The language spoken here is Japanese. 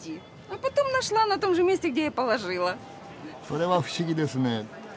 それは不思議ですねえ。